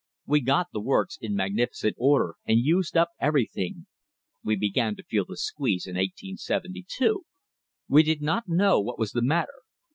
We got the works in magnificent order and used up everything. We began to feel the squeeze in 1872. We did not know what was the matter.